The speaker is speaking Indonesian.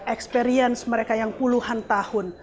experience mereka yang puluhan tahun